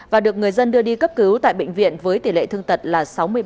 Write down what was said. và được người dân đưa đi cấp cứu tại bệnh viện với tỷ lệ thương tật là sáu mươi ba